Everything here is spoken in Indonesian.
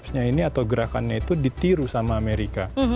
eps epsnya ini atau gerakannya itu ditiru sama amerika